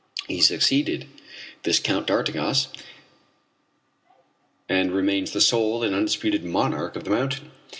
He succeeded, this Count d'Artigas, and remains the sole and undisputed monarch of the mountain.